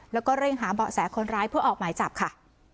แล้วก็เร่งหาเบาะแสคนร้ายเพื่อออกหมายจับค่ะ